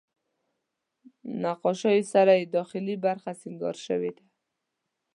نقاشیو سره یې داخلي برخه سینګار شوې ده.